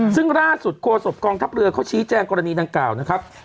ซึ่งล่าสุดโฆษกองทัพเรือเขาชี้แจงกรณีดังกล่าวนะครับ